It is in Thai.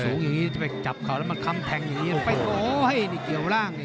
สูงอย่างนี้จะไปจับเขาแล้วมาคำแทงอย่างนี้เกี่ยวร่างนี่